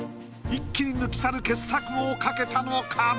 一気に抜き去る傑作を描けたのか？